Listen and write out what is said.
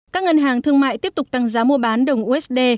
các ngân hàng thương mại tiếp tục tăng giá mua bán đồng usd